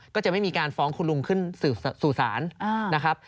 ก็จะไม่มีการฟ้องคุณลุงขึ้นสู่ศาลนะครับ